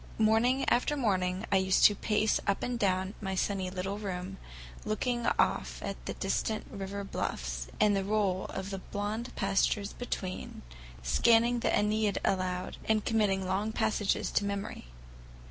Morning after morning I used to pace up and down my sunny little room, looking off at the distant river bluffs and the roll of the blond pastures between, scanning the Æneid aloud and committing long passages to memory.